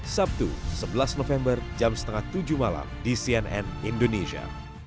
sabtu sebelas november jam setengah tujuh malam di cnn indonesia